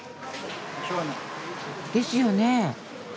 ですよね？